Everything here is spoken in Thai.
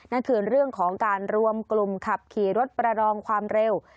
นั่นคือเรื่องของการรวมกลุ่มขับขี่รถประดองความเร็ว